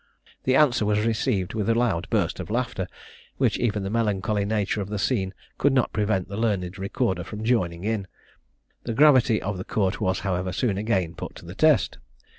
The answer was received with a loud burst of laughter, which even the melancholy nature of the scene could not prevent the learned recorder from joining in. The gravity of the court was, however, soon again put to the test.